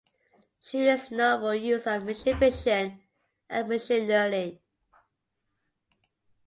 She makes novel use of machine vision and machine learning.